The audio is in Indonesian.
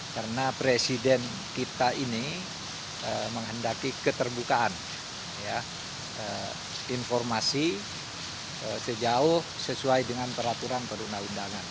karena presiden kita ini menghendaki keterbukaan informasi sejauh sesuai dengan peraturan perundang undangan